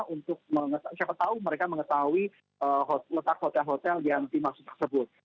untuk mengetahui siapa tahu mereka mengetahui letak hotel hotel yang dimaksud tersebut